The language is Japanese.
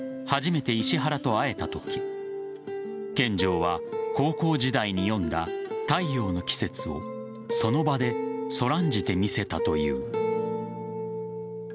初めて石原と会えたとき見城は高校時代に読んだ「太陽の季節」をその場でそらんじてみせたという。